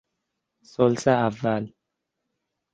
ثلث اول